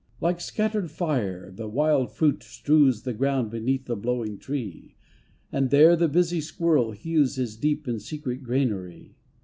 Like scattered fire the wild fruit strews The ground beneath the blowing tree, And there the busy squirrel hews His deep and secret granary.